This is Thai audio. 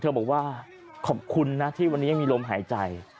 บอกว่าขอบคุณนะที่วันนี้ยังมีลมหายใจ